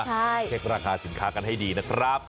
เช็คราคาสินค้ากันให้ดีนะครับ